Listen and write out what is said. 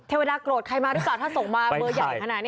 เวลาโกรธใครมาหรือเปล่าถ้าส่งมาเบอร์ใหญ่ขนาดนี้